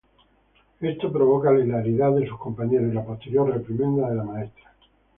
Esto provoca la hilaridad de sus compañeros y la posterior reprimenda de la maestra.